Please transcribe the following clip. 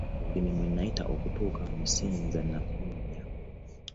Obulumi mwe nayita okutuuka wano ssiyinza na kubunyumya.